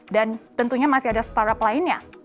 dan tentunya masih ada startup lainnya